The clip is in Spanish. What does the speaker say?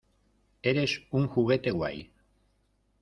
Eres un juguete guay.